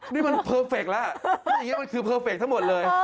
นี่มันเพอร์เฟคแล้วอย่างนี้มันคือเพอร์เฟคทั้งหมดเลย